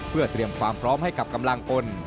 เพื่อเตรียมความพร้อมให้กับกำลังพล